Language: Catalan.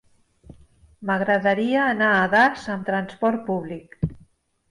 M'agradaria anar a Das amb trasport públic.